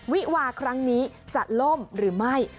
วิวาครั้งนี้จะล่มหรือไม่